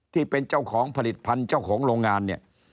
ที่เป็นเจ้าของผลิตภัณฑ์เจ้าของโรงงานเนี่ย